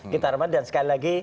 kita aman dan sekali lagi